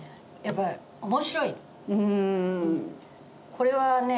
これはね。